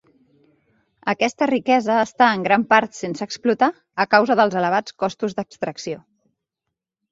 Aquesta riquesa està en gran part sense explotar a causa dels elevats costos d'extracció.